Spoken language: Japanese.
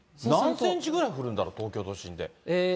何センチぐらい降るんだろう、東京都心で。